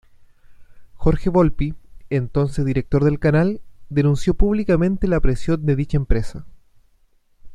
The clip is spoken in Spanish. Jorge Volpi, entonces director del canal denunció públicamente la presión de dicha empresa.